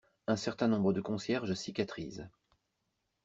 Un certain nombre de concierges cicatrisent.